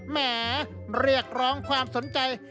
แหมเรียกร้องความสนใจ